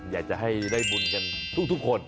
อยากจะให้ได้บุญกันทุกคน